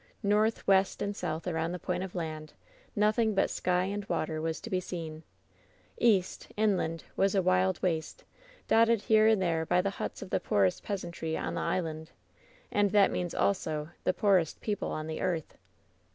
North, west and south around the point of land nothing but sky and water was to be seen. East — inland — ^was a WHEN SHADOWS DIE 189 wild waste, dotted here and there by the huts of the poorest peasantry on the island, and that means, also, the poorest people on the earth.